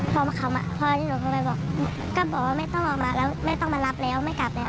พอเข้ามาพอหนูเข้าไปบอกก็บอกว่าแม่ต้องออกมาแม่ต้องมารับแล้วไม่กลับแล้ว